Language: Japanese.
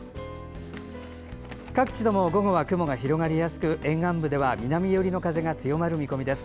各地とも午後は雲が広がりやすく沿岸部では南寄りの風が強まる見込みです。